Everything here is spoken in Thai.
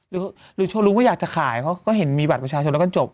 ดูชะลุว่าอยากจะขายเขาก็เห็นมีบัตรวิชาชนไปแล้วค่อยจบ